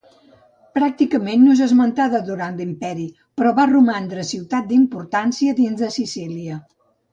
Pràcticament, no és esmentada durant l'imperi, però va romandre ciutat d'importància dins Sicília.